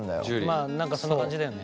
まあ何かそんな感じだよね。